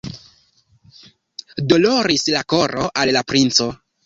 Doloris la koro al la princo!